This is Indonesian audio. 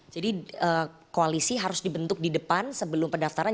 jadi koalisi harus dibentuk di depan sebelum pendaftaran